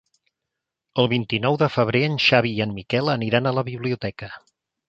El vint-i-nou de febrer en Xavi i en Miquel aniran a la biblioteca.